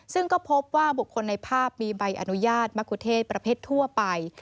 ซึ่งก็พบว่าบุคคลในภาพมีใบอนุญาตมะคุเทศประเภททั่วไป